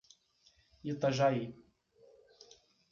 Itajaí